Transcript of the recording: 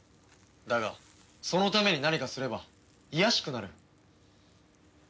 だがそのために何かすれば卑しくなる。